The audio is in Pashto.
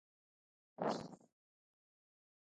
د ژبې پاملرنه د ژور فکر نښه ده.